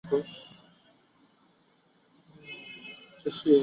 阿联酋的伊斯兰教法拥有相当的权力。